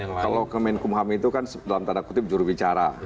ya kalau kemenkumuham itu kan dalam tanda kutip juru bicara